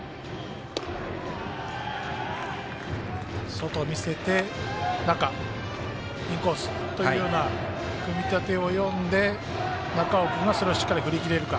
外見せて、中インコースというような組み立てを読んで中尾君がそれをしっかり振り切れるか。